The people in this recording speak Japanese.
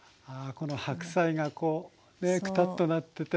この白菜がこうねくたっとなってて。